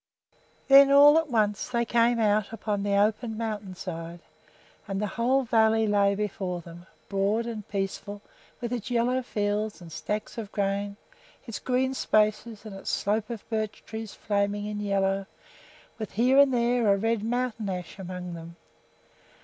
Then all at once they came out upon the open mountain side, and the whole valley lay before them, broad and peaceful, with its yellow fields and stacks of grain, its green spaces, and its slope of birch trees flaming in yellow, with here and there a red mountain ash among them.